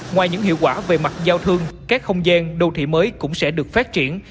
ngoài những hiệu quả về mặt giao thương các không gian đô thị mới cũng sẽ được phát triển